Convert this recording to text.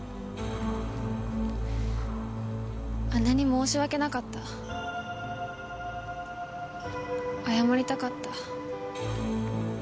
姉に申し訳なかった謝りたかった。